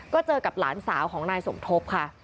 ก็เจอกับหลานสาวของนายสมทบค่ะ